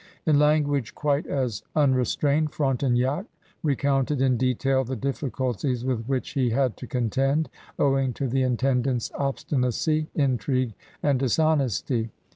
'' In language quite as unrestrained Fronte nac recounted in detail the difficulties with which he had to contend owing to the intendant's obstinacy, intrigue, and dishonesty.